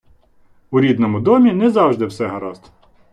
У рідному домі не завжди все гаразд.